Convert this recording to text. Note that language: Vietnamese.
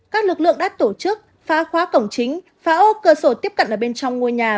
các lực lượng đã tổ chức phá khóa cổng chính phá cơ sổ tiếp cận ở bên trong ngôi nhà